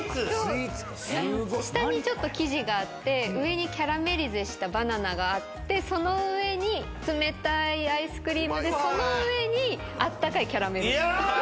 下にちょっと生地があって上にキャラメリゼしたバナナがあってその上に冷たいアイスクリームでその上にあったかいキャラメル。